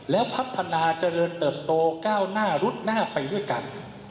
แล้วพัฒนาเจริญเติบโตก้าวหน้ารุดหน้าไปด้วยกัน